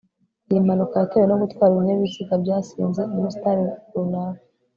iyi mpanuka yatewe no gutwara ibinyabiziga byasinze umustar runaka